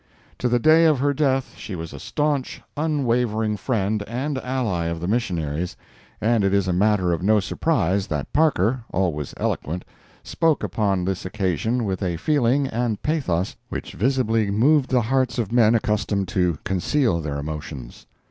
To the day of her death she was a staunch, unwavering friend and ally of the missionaries, and it is a matter of no surprise that Parker, always eloquent, spoke upon this occasion with a feeling and pathos which visibly moved the hearts of men accustomed to conceal their emotions.